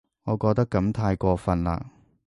我覺得噉太過份喇